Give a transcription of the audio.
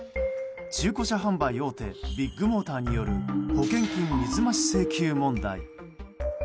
中古車販売大手ビッグモーターによる保険金水増し請求問題。